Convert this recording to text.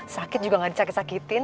sakit juga gak disakit sakitin